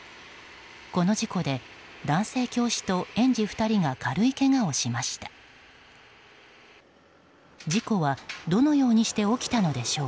この事故で、男性教師と園児２人が軽いけがをしました。